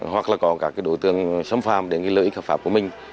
hoặc là có các đối tượng xâm phạm đề nghị lợi ích hợp pháp của mình